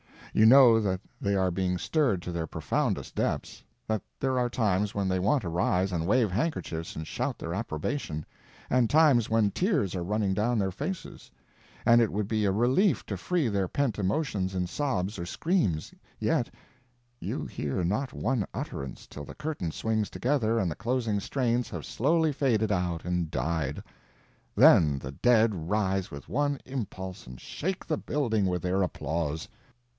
You know that they are being stirred to their profoundest depths; that there are times when they want to rise and wave handkerchiefs and shout their approbation, and times when tears are running down their faces, and it would be a relief to free their pent emotions in sobs or screams; yet you hear not one utterance till the curtain swings together and the closing strains have slowly faded out and died; then the dead rise with one impulse and shake the building with their applause.